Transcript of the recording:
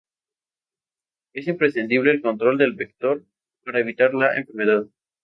Es imprescindible el control del vector para evitar la enfermedad.